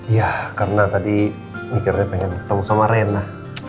ya karena tadi mikirnya pengen ketemu sama rena